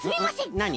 なに？